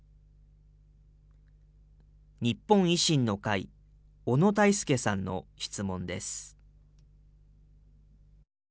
日本維新の会、小野泰輔さんの質問です。